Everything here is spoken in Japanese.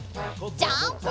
ジャンプ！